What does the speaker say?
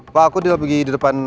pak aku di depan